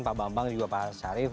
pak bambang juga pak syarif